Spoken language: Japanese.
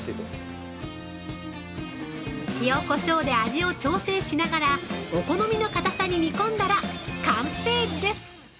◆塩、こしょうで味を調整しながらお好みの硬さに煮込んだら完成です！